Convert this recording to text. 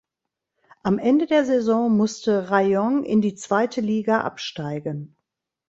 Am Ende der Saison musste Rayong in die zweite Liga absteigen.